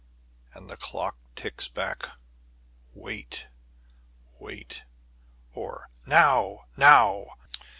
And the clock ticks back, "Wait, wait," or "Now, now."